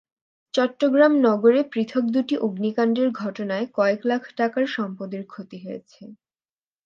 চট্টগ্রাম নগরে পৃথক দুটি অগ্নিকাণ্ডের ঘটনায় কয়েক লাখ টাকার সম্পদের ক্ষতি হয়েছে।